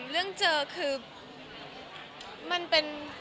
เรื่องเจอคือมันเป็น